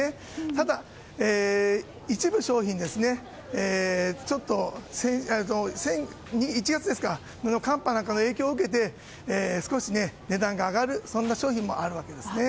ただ、一部商品１月の寒波なんかの影響を受けて、少し値段が上がるそんな商品もあるわけですね。